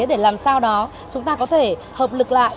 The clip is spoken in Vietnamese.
để làm sao đó chúng ta có thể hợp lực lại